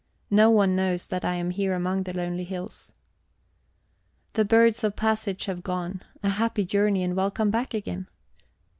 No one knows that I am here among the lonely hills. The birds of passage have gone; a happy journey and welcome back again!